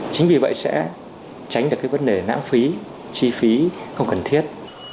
chính vì vậy sẽ tránh được cái vấn đề nãng phí chi phí không cần thiết